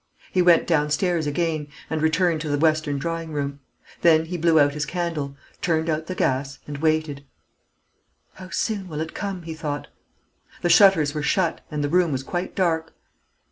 He went downstairs again, and returned to the western drawing room. Then he blew out his candle, turned out the gas, and waited. "How soon will it come?" he thought. The shutters were shut, and the room was quite dark.